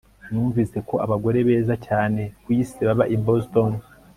Numvise ko abagore beza cyane ku isi baba i Boston